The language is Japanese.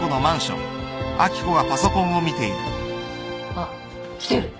あっ来てる。